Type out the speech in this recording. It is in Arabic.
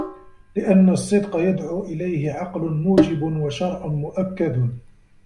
لِأَنَّ الصِّدْقَ يَدْعُو إلَيْهِ عَقْلٌ مُوجِبٌ وَشَرْعٌ مُؤَكَّدٌ